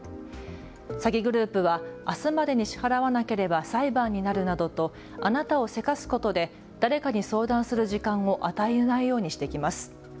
詐欺グループはあすまでに支払わなければ裁判になるなどとあなたをせかすことで誰かに相談する時間を与えないようにしてきます。